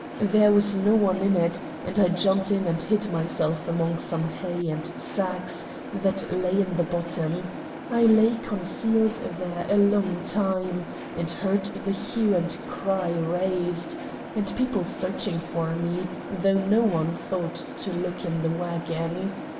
There was no one in it, and I jumped in and hid myself among some hay and sacks that lay in the bottom. I lay concealed there a long time and heard the hue and cry raised, and people searching for me, though no one thought to look in the wagon.